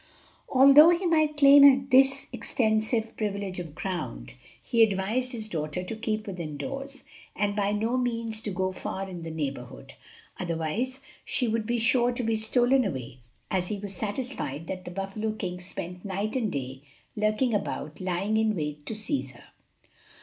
Although he might claim this extensive privilege of ground, he advised his daughter to keep within doors, and by no means to go far in the neighborhood. Otherwise she would be sure to be stolen away, as he was satisfied that the buffalo king spent night and day lurking about, lying in wait to seize her.